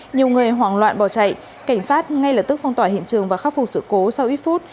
nhiều người hoảng loạn bỏ chạy cảnh sát ngay lập tức phong tỏa hiện trường và khắc phục sự cố sau ít phút